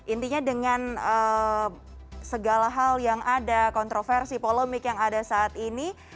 intinya dengan segala hal yang ada kontroversi polemik yang ada saat ini